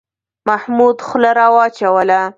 محمود خوله را وچوله.